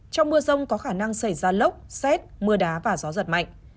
trong mưa rông có khả năng xảy ra lốc xét mưa đá và gió giật mạnh